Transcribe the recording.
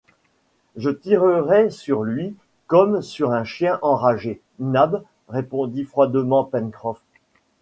Je tirerais sur lui comme sur un chien enragé, Nab, répondit froidement Pencroff.